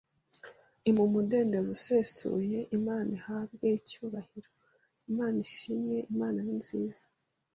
impa umudendezo usesuye! Imana ihabwe icyubahiro! Imana ishimwe! Imana ni nziza